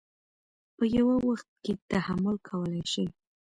په یوه وخت کې تحمل کولی شي.